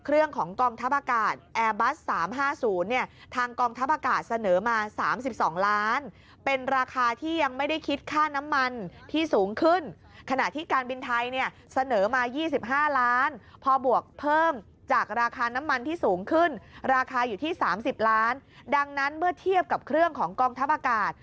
ราคาอยู่ที่๓๐ล้านดังนั้นเมื่อเทียบกับเครื่องของกองทัพอากาศ